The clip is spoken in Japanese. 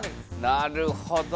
なるほど。